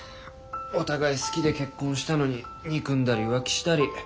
お互い好きで結婚したのに憎んだり浮気したり。